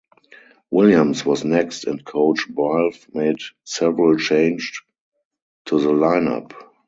Williams was next and coach Bawlf made several changed to the lineup.